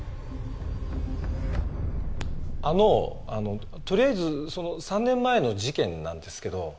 あのとりあえずその３年前の事件なんですけど。